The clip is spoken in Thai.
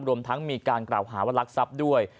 รวมทั้งมีการกล่าวหาว่ารักทรัพย์ด้วย